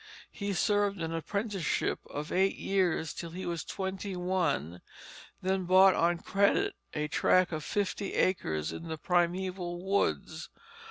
He served an apprenticeship of eight years till he was twenty one, then bought on credit a tract of fifty acres in the primeval woods.